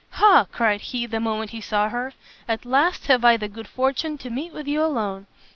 "Ha!" cried he, the moment he saw her, "at last have I the good fortune to meet with you alone!